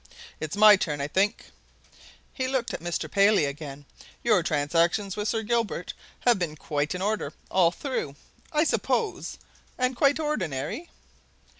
"It's my turn, I think." He looked at Mr. Paley again. "Your transactions with Sir Gilbert have been quite in order, all through, I suppose and quite ordinary?"